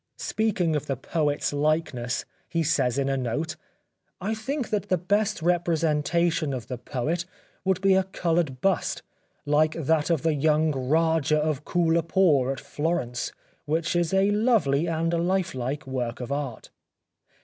Speaking of the poet's likeness he says in a note :—" I think that the best representation of the poet would be a coloured bust, like that of the young Rajah of Koolapoor at Florence, which is a lovely and lifelike work of art."